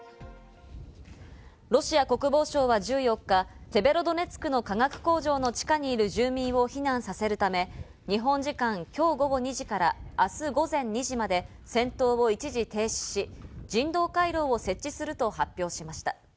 ロシア国防省は１４日、セベロドネツクの化学工場の地下にいる住民を避難させるため、日本時間、今日午後２時から明日午前２時まで戦闘を一時停止し、人道回廊を設置すると発表しました。